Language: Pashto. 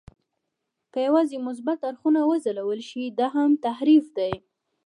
که یوازې مثبت اړخونه وځلول شي، دا هم تحریف دی.